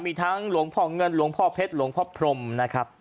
มีทั้งหลวงพ่อเงินหลวงพ่อเพชรหลวงพ่อพรมนะครับ